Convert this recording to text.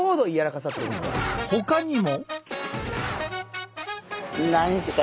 ほかにも。